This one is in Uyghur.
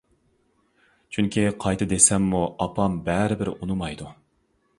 چۈنكى قايتا دېسەممۇ ئاپام بەرىبىر ئۇنىمايدۇ.